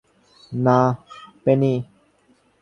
না, পেনি।